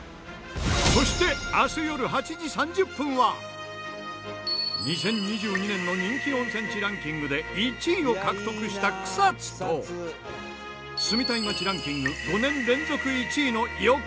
そして２０２２年の人気温泉地ランキングで１位を獲得した草津と住みたい街ランキング５年連続１位の横浜を舞台に。